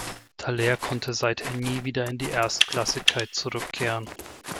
Talleres konnte seither nie wieder in die Erstklassigkeit zurückkehren.